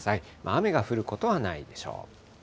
雨が降ることはないでしょう。